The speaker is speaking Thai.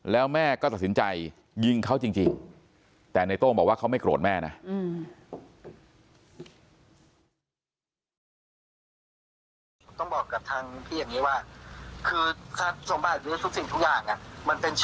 แล้วแม่ก็ตัดสินใจยิงเขาจริงแต่ในโต้งบอกว่าเขาไม่โกรธแม่นะ